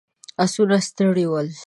آسونه ستړي ول.